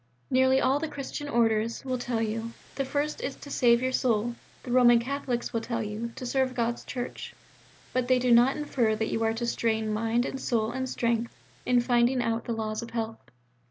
Nearly all the Christian Orders will tell you: the first is to save your soul. The Roman Catholics will tell you, to serve God's Church. But they do not infer that you are to strain mind and soul and strength in finding out the laws of health.